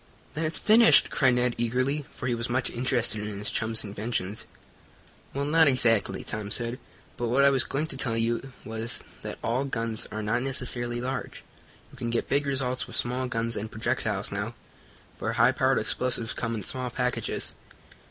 "Then it's finished!" cried Ned eagerly, for he was much interested in his chum's inventions. "Well, not exactly," Tom said. "But what I was going to tell you was that all guns are not necessarily large. You can get big results with small guns and projectiles now, for high powered explosives come in small packages.